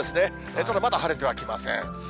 ただまだ晴れてはきません。